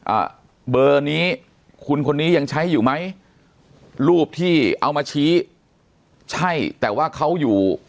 อ่าเบอร์นี้คุณคนนี้ยังใช้อยู่ไหมรูปที่เอามาชี้ใช่แต่ว่าเขาอยู่